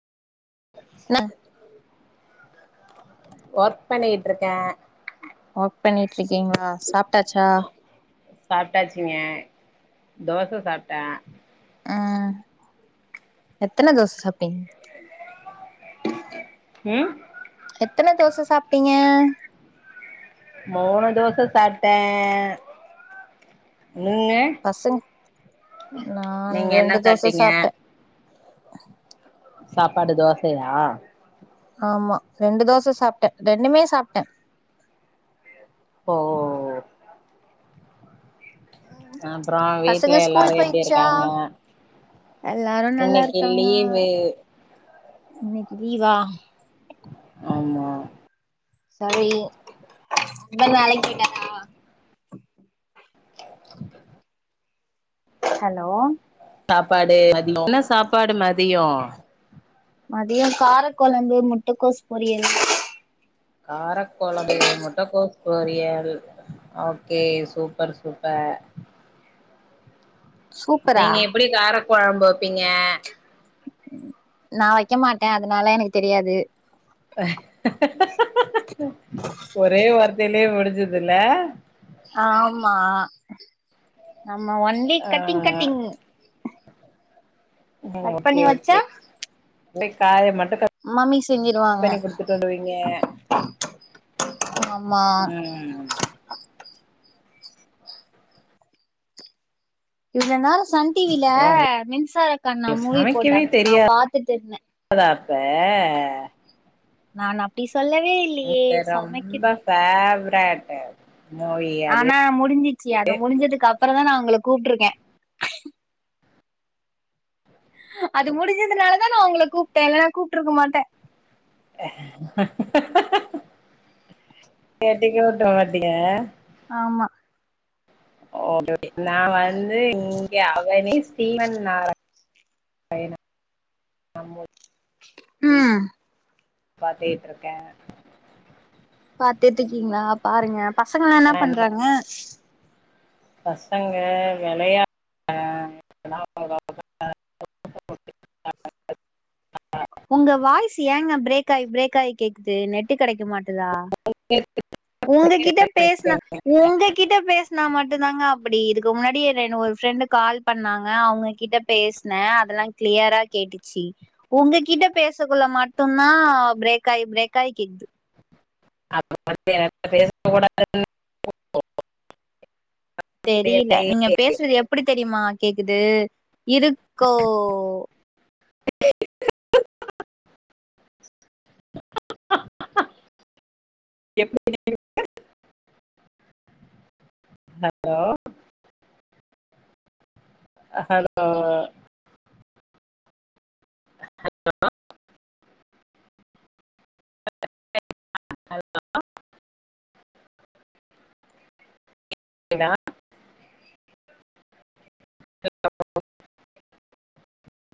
நா ஒர்க் பண்ணிகிட்ருக்கே ஒர்க் பண்ணிட்றிக்கீங்குளா சாப்ட்டாச்சா சாப்ட்டாச்சிங்க தோச சாப்ட்டே அ எத்தன தோச சாப்டீங் ம் எத்தன தோச சாப்ட்டீங்க மூணு தோச சாப்ட்டே நீங்க பசங் நா நீங்க என்ன ரெண்டு தோச சாப்ட்டீங்க சாப்டே சாப்பாடு தோசையா ஆமா ரெண்டு தோச சாப்டே ரெண்டுமே சாப்டே ஃபோ அப்புறோ பசங்க வீட்டுல எல்லாரு ஸ்கூல் எப்டி போயிச்சா இருக்காங்க எல்லாரு நல்லா இன்னைக்கு இருக்காங்க லீவு இன்னைக்கு லீவா ஆமா சாரி இவ வேலைக்கு போயிட்டாறா ஹலோ என்ன சாப்பாடு மதியோ மதியோ காரக்கொழம்பு முட்டக்கோஸ் பொரியல் காரக்கொழம்பு முட்ட கோஸ் பொரியல் ஓகே சூப்பர் சூப்ப சூப்பரா நீங்க எப்டி காரக்கொழம்பு வைப்பீங்க நா வைக்க மாட்டே அதுனால எனக்கு தெரியாது ஒரே வார்த்தையிலேயே முடிஞ்சதுல்ல ஆமா நம்ம ஒன்லி ஆ கட்டிங் கட் டிங்கு கட் பண்ணி வெச்சா அப்டே காய மட்டு கட் மம்மி செஞ்சிருவாங்க பண்ணி குடுத்துட்டு வருவீங்க ஆமா ம் இவ்ளோ நேர சன் டிவில அப்றோ மின்சார கண்ணா உங்களுக்கு மூவி சமைக்கவே போட்டாங்க நா தெரியாதா பாத்துட்டு இருந்தே [unintelligible] அப்ப நான் அப்டி சொல்லவே இல் எனக்கு ரொம்ப ஃபேவ்ரேட்டு மூவி அது ச்சி அத முடிஞ்சதுக்கப்பறோ தா நா ஒங்கள கூப்ட்ருக்கே அது முடிஞ்சதுனால தா நா ஒங்கள கூப்ட்டே இல்லன்னா கூப்ட்ருக்க மாட்டே [unintelligible] ஆமா ஓ கே நா வந்து ஏ அவனே ஸ்டீவன் நால ம் [inaudible] பாத்திட்ருக்கே பாத்துட்டுக்கீங்களா பாருங்க பசங்கல்லா என்ன பண்றாங்க பசங்க வெளயா [inaudible] [inaudible] உங்க வாய்ஸ்ஸு ஏங்க பிரேக்காயி பிரேக்காயி கேக்குது நெட்டு கெடைக்க மாட்டுதா [inaudible] உங்ககிட்ட பேசுனா உங்ககிட்ட பேசுனா மட்டுந்தாங்க அப்டி இருக்கு முன்னாடி எ ரெ ஒரு ஃப்ரெண்டு கால் பண்ணாங்க அவுங்ககிட்ட பேசுனே அதெல்லா க்ளியரா கேட்டுச்சி உங்க கிட்ட பேசக்குள்ள மட்டுந்தா பிரேக்காயி பிரேக்காயி கேக்து [inaudible] தெரில நீங்க பேசுறது எப்டி தெரிமா கேக்குது இருக்கோ எப்டி கேக்குது ஹலோ ஹலோ ஹலோ [inaudible] [inaudible]